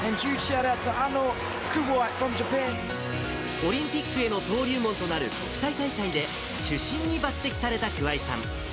オリンピックへの登竜門となる国際大会で、主審に抜てきされた桑井さん。